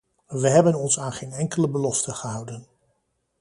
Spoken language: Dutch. We hebben ons aan geen enkele belofte gehouden.